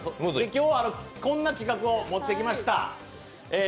今日はこんな企画を持ってきました。